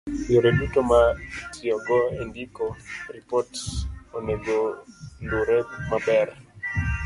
yore duto ma itiyogo e ndiko ripot onego lure maber